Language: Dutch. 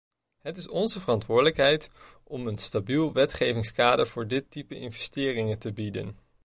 Het is onze verantwoordelijkheid om een stabiel wetgevingskader voor dit type investering te bieden.